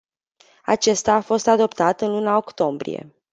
Acesta a fost adoptat în luna octombrie.